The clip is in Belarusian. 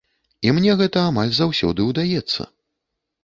І мне гэта амаль заўсёды ўдаецца.